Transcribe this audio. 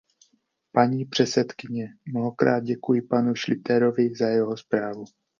Paní předsedkyně, mnohokrát děkuji panu Schlyterovi za jeho zprávu.